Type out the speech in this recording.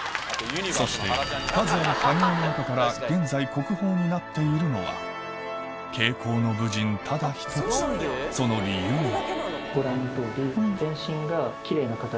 そして数ある埴輪の中から現在国宝になっているのは挂甲の武人ただ１つその理由は？